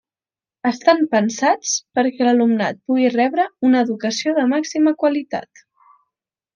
Estan pensats perquè l'alumnat pugui rebre una educació de màxima qualitat.